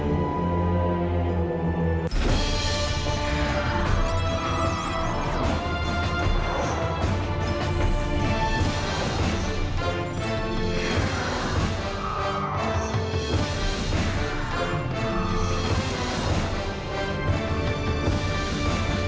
นั่นยังอยู่นะครับชั้นอยากให้มันเกิดขึ้น